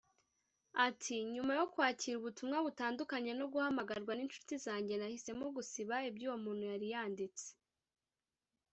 Ati“Nyuma yo kwakira ubutumwa butandukanye no guhamagarwa n’inshuti zanjye nahisemo gusiba ibyo uwo muntu yari yanditse